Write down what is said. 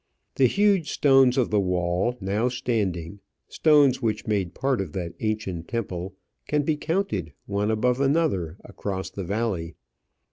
The huge stones of the wall now standing, stones which made part of that ancient temple, can be counted, one above another, across the valley.